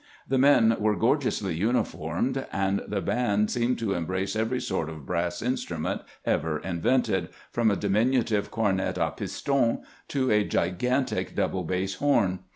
The men were gorgeously uniformed, and the band seemed to embrace every sort 234 A DISAPPOINTED BAND MASTEE 235 of brass instrtunent ever invented, from a diminutive cornet a pistons to a gigantic double bass horn.